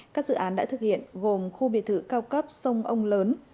các dự án đã thực hiện gồm khu biệt thự cao cấp sông ông lớn